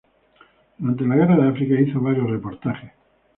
Durante la guerra de África hizo varios reportajes.